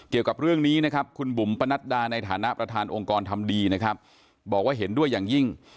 เกี่ยวกับเรื่องนี้คุณบุ๋มประนัดดาในฐานะประธานองค์กรธรรมดีบอกว่าเห็นด้วยอย่างยิ่ง